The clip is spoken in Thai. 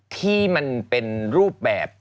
ที่มันเป็นรูปแบบ